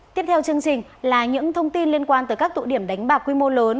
tiếp theo chương trình là những thông tin liên quan tới các tụ điểm đánh bạc quy mô lớn